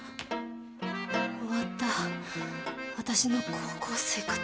終わった私の高校生活。